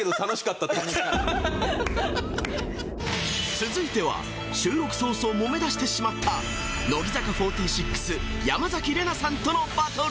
続いては収録早々もめだしてしまった乃木坂４６山崎怜奈さんとのバトル